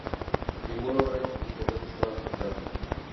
Ningún órgano importante estaba afectado.